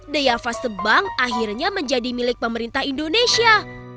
deyava sebang akhirnya menjadi milik pemerintah indonesia